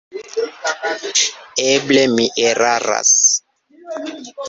Eble mi eraras.